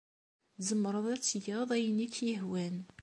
Tzemreḍ ad tgeḍ ayen ay ak-yehwan.